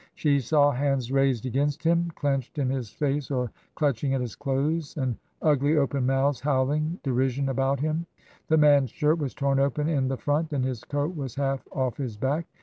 She saw hands raised against him, clenched in his face or clutch ing at his clothes, and ugly, open mouths howling de rision about him. The man's shirt was torn open in the front and his coat was half off his back.